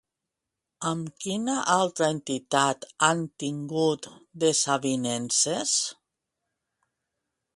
Amb quina altra entitat han tingut desavinences?